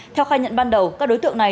theo khai nhận ban đầu các đối tượng này